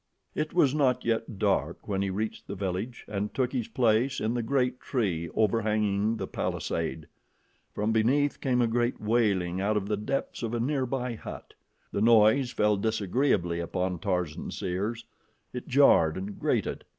It was not yet dark when he reached the village and took his place in the great tree overhanging the palisade. From beneath came a great wailing out of the depths of a near by hut. The noise fell disagreeably upon Tarzan's ears it jarred and grated.